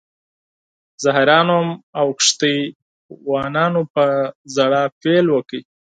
زه حیران وم او کښتۍ وانانو په ژړا پیل وکړ.